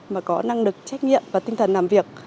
mà có năng lực trách nhiệm và tinh thần làm việc